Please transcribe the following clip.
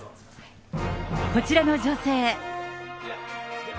こちらの女性。